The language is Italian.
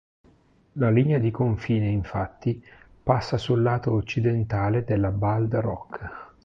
La linea di confine infatti passa sul lato occidentale della Bald Rock.